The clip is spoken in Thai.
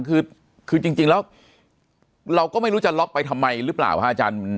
คือจริงแล้วเราก็ไม่รู้จะล็อกไปทำไมหรือเปล่าฮะอาจารย์